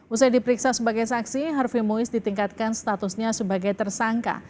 usai diperiksa sebagai saksi harvi mois ditingkatkan statusnya sebagai tersangka